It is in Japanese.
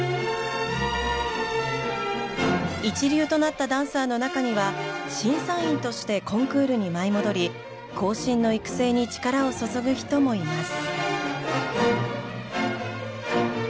一流となったダンサーの中には審査員としてコンクールに舞い戻り後進の育成に力を注ぐ人もいます。